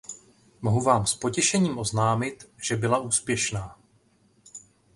Mohu vám s potěšením oznámit, že byla úspěšná.